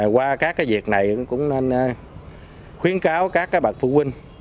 qua các việc này cũng nên khuyến cáo các bậc phụ huynh